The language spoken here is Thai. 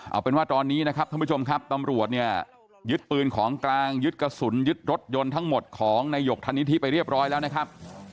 เอาเป็นว่าตอนนี้นะครับท่านผู้ชมครับตำรวจเนี่ยยึดปืนของกลางยึดกระสุนยึดรถยนต์ทั้งหมดของนายหยกธนิธิไปเรียบร้อยแล้วนะครับ